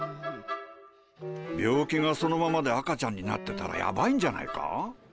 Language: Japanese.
病気がそのままで赤ちゃんになってたらやばいんじゃないか？